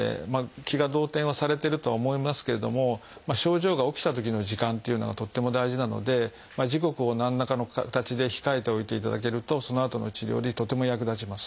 気が動転はされてるとは思いますけれども症状が起きたときの時間っていうのがとっても大事なので時刻を何らかの形で控えておいていただけるとそのあとの治療でとても役立ちます。